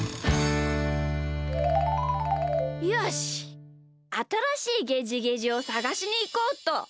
あたらしいゲジゲジをさがしにいこうっと。